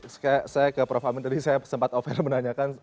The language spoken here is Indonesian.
saya ke prof amin tadi saya sempat offer menanyakan